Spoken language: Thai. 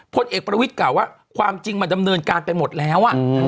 พลเอกประวิทย์กล่าวว่าความจริงมันดำเนินการไปหมดแล้ว